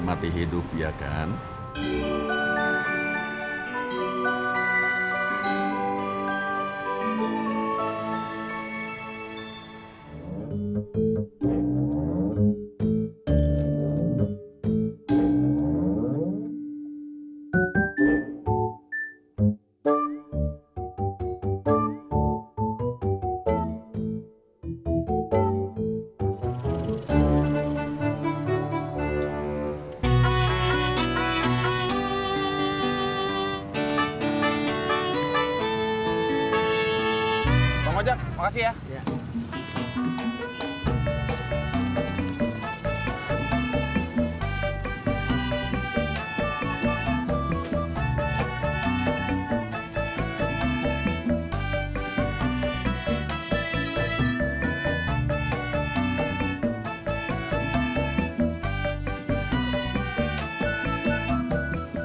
malu kayaknya kalau harus main main